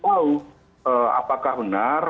tahu apakah benar